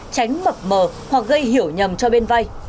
tránh mập mờ hoặc gây hiểu nhầm cho bên vay